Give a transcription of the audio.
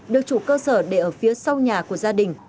được chủ cơ sở để ở phía sau nhà của gia đình